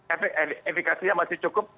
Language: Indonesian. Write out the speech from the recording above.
efek infikasinya masih cukup